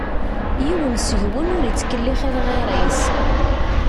Yiwen seg-wen ur ittkellix i lɣir-is.